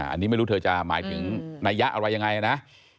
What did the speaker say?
อันนี้ไม่รู้เธอจะหมายถึงนัยยะอะไรยังไงนะ